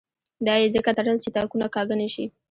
دا یې ځکه تړل چې تاکونه کاږه نه شي.